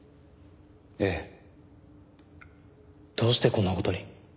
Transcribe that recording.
ええ。どうしてこんな事に？